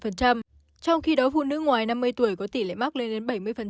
trong khi đó phụ nữ ngoài năm mươi tuổi có tỷ lệ mắc lên đến bảy mươi